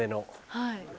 はい。